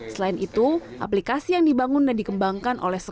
selain itu aplikasi yang dibangun dan dikembangkan oleh swasta